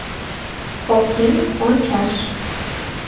Хоккейым ончаш.